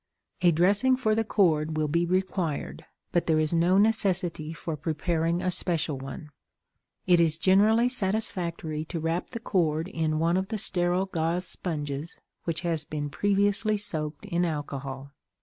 A dressing for the cord will be required, but there is no necessity for preparing a special one. It is generally satisfactory to wrap the cord in one of the sterile gauze sponges which has been previously soaked in alcohol.